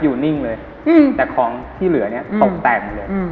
อยู่นิ่งเลยแต่ของที่เหลือเนี้ยตกแตกหมดเลยอืม